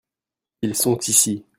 ils sont ici.